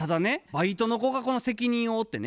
バイトの子がこの責任を負ってね